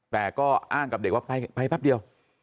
แต่ก็อ้างกับเด็กว่าไปแป๊บเดียว